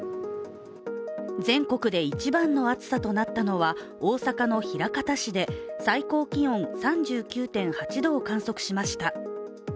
全国で一番の暑さとなったのは大阪の枚方市で最高気温３９．８度を観測しました。